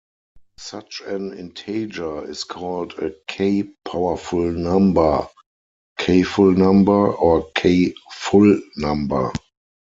Such an integer is called a "k"-powerful number, "k"-ful number, or "k"-full number.